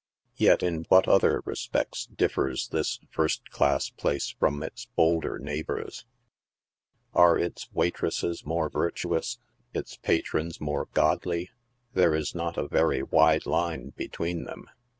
Yet in what other respects differs this first class place from its bolder neighbors ? Arc its waitresses more virtuous, its patrons more Godly ? There is not a very wide line between them.